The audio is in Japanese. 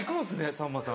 さんまさん。